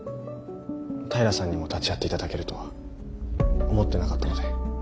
平さんにも立ち会っていただけるとは思ってなかったので。